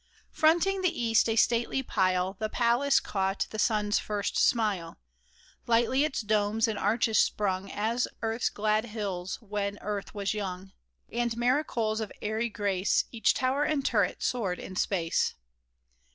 Fronting the east, a stately pile. The palace caught the sun's first smile ; Lightly its domes and arches sprung. As earth's glad hills when earth was young ; And miracles of airy grace, Each tower and turret soared in space.